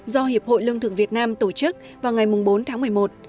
do hiệp hội lương thực việt nam tổ chức vào ngày bốn tháng một mươi một